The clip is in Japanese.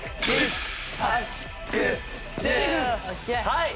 はい！